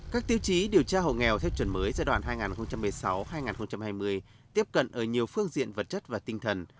các tiêu chí điều tra hộ nghèo theo chuẩn mới giai đoạn hai nghìn một mươi sáu hai nghìn hai mươi tiếp cận ở nhiều phương diện vật chất và tinh thần